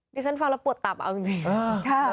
ฉันฟังแล้วปวดตับเอาจริง